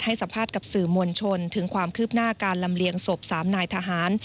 สัมภาษณ์กับสื่อมวลชนถึงความคืบหน้าการลำเลียงศพ๓นายทหาร